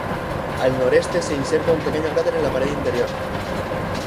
Al noreste se inserta un pequeño cráter en la pared interior.